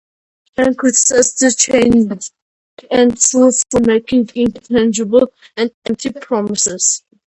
Chang criticized Chiang and Chu for making intangible and empty promises.